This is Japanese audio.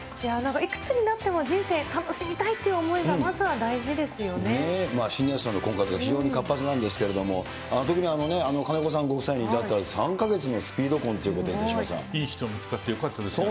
なんかいくつになっても人生楽しみたいっていう思いがまずはシニア層の婚活が非常に活発なんですけれども、ときに金子さんご夫妻は出会ってから３か月のスピード婚というこいい人見つかってよかったですね。